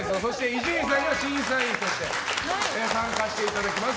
伊集院さんには、審査員として参加していただきます。